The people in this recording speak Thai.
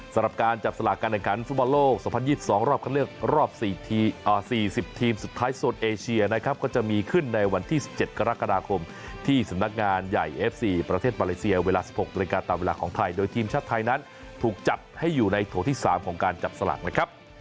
สำหรับการจับสลากการแข่งขันฟุตบอลโลก๒๐๒๒รอบคันเลือกรอบ๔๐ทีมสุดท้ายโซนเอเชียนะครับก็จะมีขึ้นในวันที่๑๗กรกฎาคมที่สำนักงานใหญ่เอฟซีประเทศมาเลเซียเวลา๑๖นาฬิกาตามเวลาของไทยโดยทีมชาติไทยนั้นถูกจัดให้อยู่ในโถที่๓ของการจับสลากนะครับ